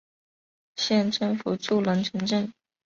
县政府驻龙城镇。